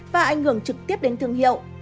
và ảnh hưởng trực tiếp đến thương hiệu